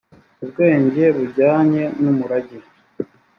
ubwenge bujyanye n umurage